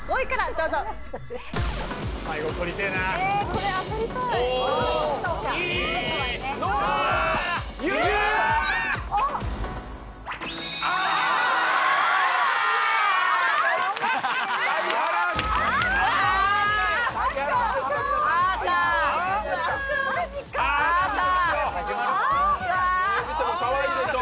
どう見てもかわいいでしょ。